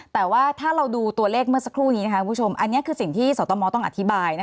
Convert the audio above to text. แต่ว่าถ้าเราดูตัวเลขเมื่อสักครู่นี้มันคือสิ่งที่เสา์ตะมอลต้องอธิบาย